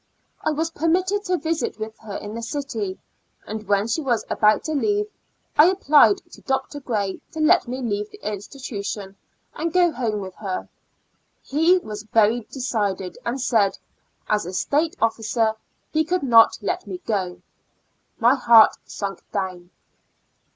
I was permitted to visit with lier in the city, and when she was about to 130 ^'^^ Years and Four Months leave, I applied to Dr. Graj^ to let me leave the institution, and go home with her. He was very decided, — and said, " as a state officer, he could not let me go." My heart sunk down.